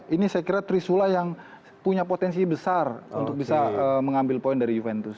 ini saya kira trisula yang punya potensi besar untuk bisa mengambil poin dari juventus